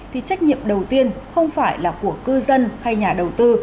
thì trách nhiệm đầu tiên không phải là của cư dân hay nhà đầu tư